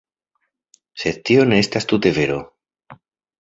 Sed tio ne estas tute vero.